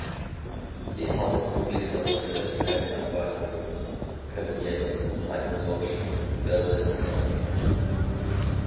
Sie haben üblicherweise keine Erweiterung, können jedoch mit einer solchen versehen werden.